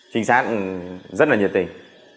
trinh sát rất là nhiệt tình